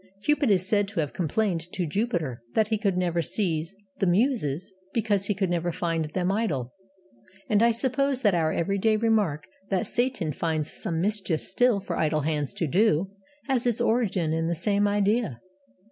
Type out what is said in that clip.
Cupid is said to have complained to Jupiter that he could never seize the Muses because he could never find them idle. And I suppose that our everyday remark that 'Satan finds some mischief still for idle hands to do' has its origin in the same idea.